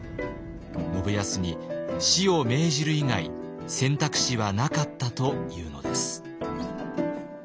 信康に死を命じる以外選択肢はなかったというのです。